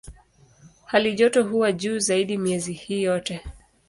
Halijoto huwa juu zaidi miezi hii yote.